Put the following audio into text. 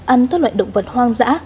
ăn các loại động vật hoang dã